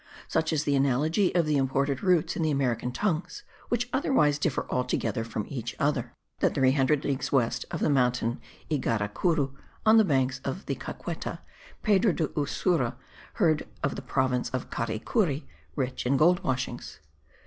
Such is the analogy of the imported roots in the American tongues, which otherwise differ altogether from each other, that 300 leagues west of the mountain Ygaracuru, on the banks of the Caqueta, Pedro de Ursua heard of the province of Caricuri, rich in gold washings.